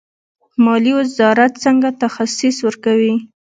مالیې وزارت څنګه تخصیص ورکوي؟